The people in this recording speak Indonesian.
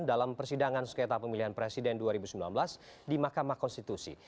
dalam persidangan sengketa pemilihan presiden dua ribu sembilan belas di mahkamah konstitusi